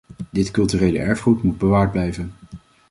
Dit culturele erfgoed moet bewaard blijven.